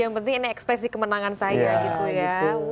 yang penting ini ekspresi kemenangan saya gitu ya